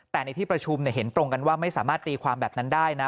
แต่ในที่ประชุมเห็นตรงกันว่าไม่สามารถตีความแบบนั้นได้นะ